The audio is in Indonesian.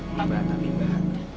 mbak tapi mbak